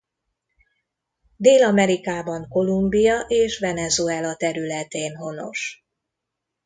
Dél-Amerikában Kolumbia és Venezuela területén honos.